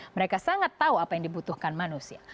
mereka sangat tahu apa yang dibutuhkan manusia